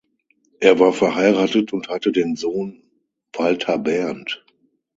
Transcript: Er war verheiratet und hatte den Sohn Walther Bernt.